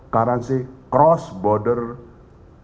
transaksi di luar negara